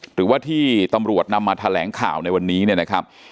หรือว่าที่ตำรวจนำมาแถลงข่าวในวันนี้เนี่ยนะครับ